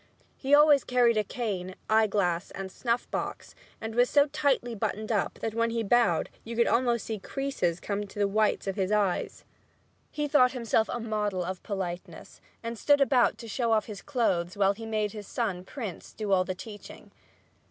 He always carried a cane, eye glass and snuff box and was so tightly buttoned up that when he bowed you could almost see creases come into the whites of his eyes. He thought himself a model of politeness and stood about to show off his clothes while he made his son, Prince, do all the teaching.